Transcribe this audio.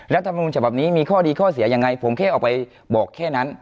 รัฐมนุนฉบับนี้มีข้อดีข้อเสียยังไงผมแค่ออกไปบอกแค่นั้น